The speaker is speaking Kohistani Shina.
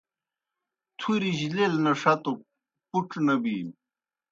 تُھریْ جیْ لیل نہ ݜتُک پُڇ نہ بِینوْ